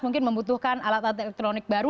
mungkin membutuhkan alat alat elektronik baru